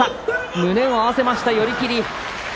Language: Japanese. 胸を合わせました寄り切り。